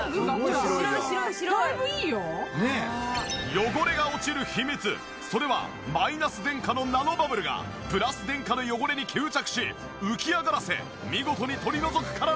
汚れが落ちる秘密それはマイナス電荷のナノバブルがプラス電荷の汚れに吸着し浮き上がらせ見事に取り除くからなんです。